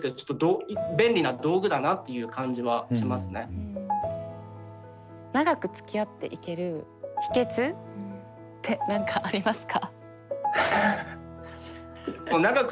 子供の長くつきあっていける秘けつ？って何かありますか？